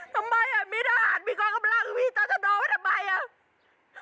ทำไมอ่ะมีหน้าหาดมีก้อนกำลังพี่ต้องจะนอนไว้ทำไมอ่ะ